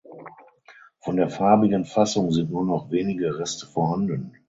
Von der farbigen Fassung sind nur noch wenige Reste vorhanden.